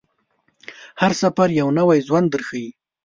هر سفر یو نوی ژوند درښيي.